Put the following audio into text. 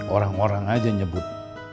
orang orang aja nyebut